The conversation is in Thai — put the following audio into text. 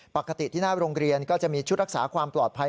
ปกติที่หน้าโรงเรียนก็จะมีชุดรักษาความปลอดภัย